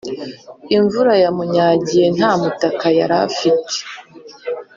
imvura yamunyagiye ntamutaka yarafite